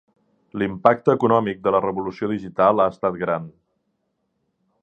L’impacte econòmic de la revolució digital ha estat gran.